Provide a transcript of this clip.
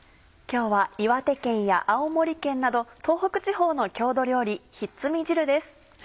今日は岩手県や青森県など東北地方の郷土料理「ひっつみ汁」です。